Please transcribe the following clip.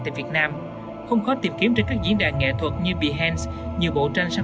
tại việt nam không khó tìm kiếm trên các diễn đàn nghệ thuật như behance nhiều bộ tranh sáng